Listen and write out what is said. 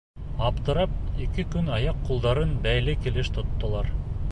Аптырап, ике көн аяҡ-ҡулдарын бәйле килеш тоттолар.